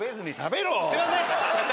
すいません。